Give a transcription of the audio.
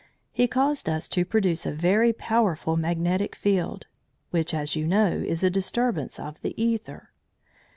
He caused us to produce a very powerful magnetic field, which, as you know, is a disturbance of the æther.